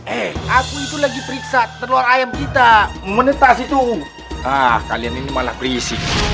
eh aku itu lagi periksa telur ayam kita menetas itu kalian ini malah perisik